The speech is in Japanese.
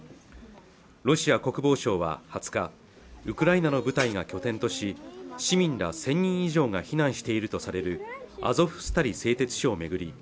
ロシア国防省は２０日ウクライナの部隊が拠点とし市民ら１０００人以上が避難しているとされるアゾフスタリ製鉄所を巡り